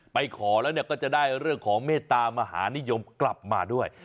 ไปขอแล้วก็จะได้เรื่องของเมตตามหานิยมกลับมาด้วย